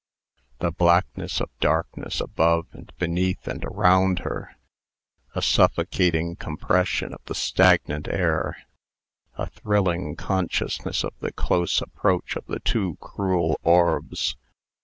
The blackness of darkness above and beneath and around her ... a suffocating compression of the stagnant air ... a thrilling consciousness of the close approach of the two cruel orbs....